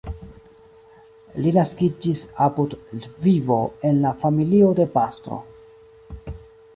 Li naskiĝis apud Lvivo en la familio de pastro.